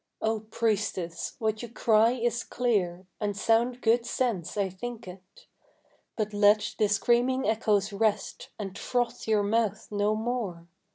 Oh priestess, what you cry is clear, and sound good sense I think it; But let the screaming echoes rest, and froth your mouth no more.